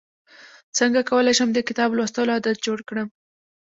څنګه کولی شم د کتاب لوستلو عادت جوړ کړم